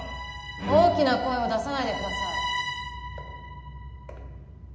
・大きな声を出さないでください。